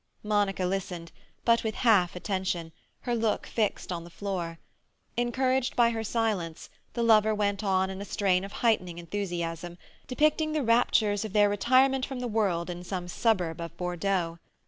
Monica listened, but with half attention, her look fixed on the floor. Encouraged by her silence, the lover went on in a strain of heightening enthusiasm, depicting the raptures of their retirement from the world in some suburb of Bordeaux.